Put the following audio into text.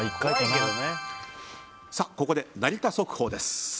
ここで成田速報です。